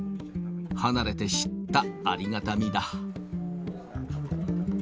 離れて知ったありがたみだ。